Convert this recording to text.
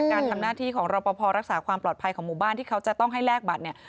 การทำหน้าที่ของรอปภรักษาความปลอดภัยของหมู่บ้านที่เขาจะต้องให้แลกบัตรเนี่ย